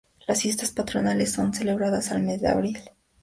Las fiestas patronales son celebradas en el mes de Abril.